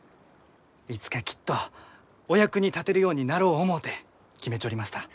いつかきっとお役に立てるようになろう思うて決めちょりました。